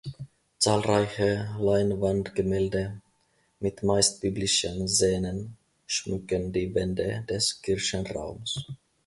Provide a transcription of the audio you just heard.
Zahlreiche Leinwandgemälde mit meist biblischen Szenen schmücken die Wände des Kirchenraums.